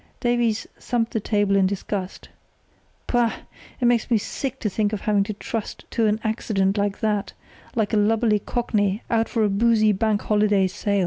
Davies thumped the table in disgust. "Pah! It makes me sick to think of having to trust to an accident like that, like a lubberly cockney out for a boozy Bank Holiday sail.